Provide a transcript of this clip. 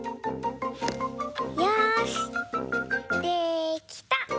よしできた！